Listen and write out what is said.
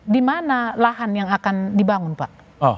di mana lahan yang akan dibangun pak